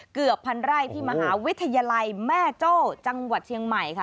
เกือบพันไร่ที่มหาวิทยาลัยแม่โจ้จังหวัดเชียงใหม่ค่ะ